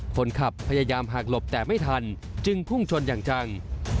คนขับพยายามหักหลบแต่ไม่ทันจึงพุ่งชนอย่างจัง